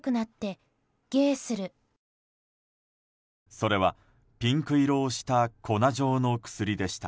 それはピンク色をした粉状の薬でした。